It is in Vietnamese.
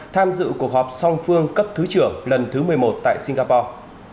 tham dự cuộc họp song phương cấp thứ trưởng lần thứ một mươi một tại singapore